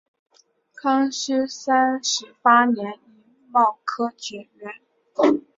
康熙三十八年己卯科解元。